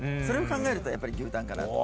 それを考えるとやっぱり牛タンかな。